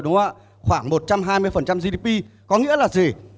đúng không ạ khoảng một trăm hai mươi gdp có nghĩa là gì